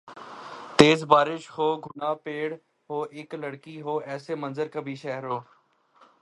تیز بارش ہو گھنا پیڑ ہو اِک لڑکی ہوایسے منظر کبھی شہروں